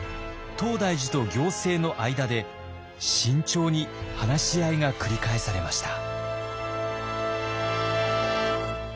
東大寺と行政の間で慎重に話し合いが繰り返されました。